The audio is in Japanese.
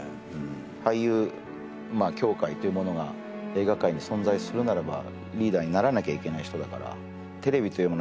俳優協会というものが映画界に存在するならばリーダーにならなきゃいけない人だからテレビというもの